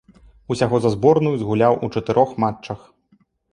Усяго за зборную згуляў у чатырох матчах.